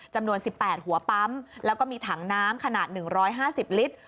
จำนวน๑๘หัวปั๊มแล้วก็มีถังน้ำขนาด๑๕๐ลิตร